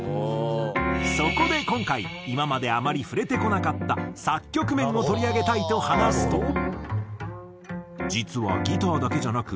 そこで今回今まであまり触れてこなかった作曲面を取り上げたいと話すと。